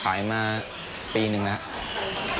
ขายมาปีนึงแล้ว